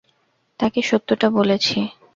তাকে সত্যটা বলেছি।